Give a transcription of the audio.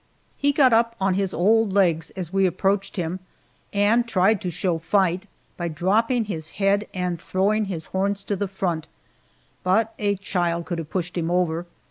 He got up on his old legs as we approached him, and tried to show fight by dropping his head and throwing his horns to the front, but a child could have pushed him over.